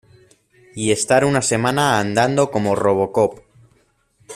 y estar una semana andando como Robocop.